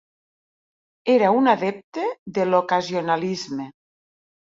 Era un adepte de l'ocasionalisme.